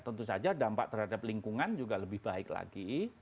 tentu saja dampak terhadap lingkungan juga lebih baik lagi